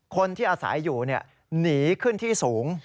คนที่อาศัยอยู่หนีขึ้นที่สูง